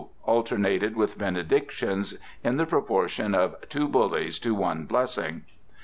alternated with benedictions, in the proportion of two "bullies" to one blessing.